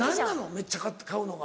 めっちゃ買うのが。